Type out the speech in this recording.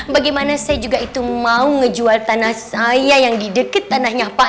bagaimana saya juga itu mau ngejual tanah saya yang di dekat tanahnya pak